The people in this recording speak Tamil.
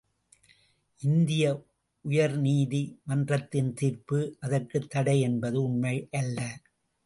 இந்திய உயர்நீதி மன்றத்தின் தீர்ப்பு அதற்குத்தடை என்பது உண்மையல்ல.